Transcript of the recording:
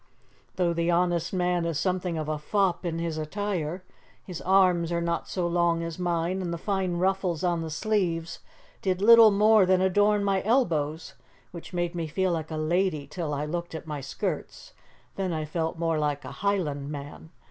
Though the honest man is something of a fop in his attire, his arms are not so long as mine, and the fine ruffles on the sleeves did little more than adorn my elbows, which made me feel like a lady till I looked at my skirts. Then I felt more like a highlandman.